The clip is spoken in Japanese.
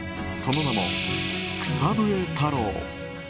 その名も草笛太郎。